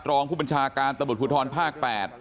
ตรองผู้บัญชาการตะบุตรภูทรภาค๘